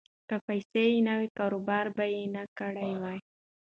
که پیسې یې نه وی، کاروبار به یې نه کړی وای.